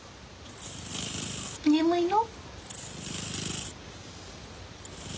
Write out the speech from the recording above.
眠いの？